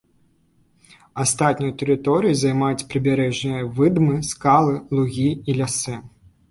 Астатнюю тэрыторыю займаюць прыбярэжныя выдмы, скалы, лугі і лясы.